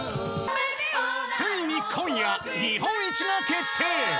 ［ついに今夜日本一が決定］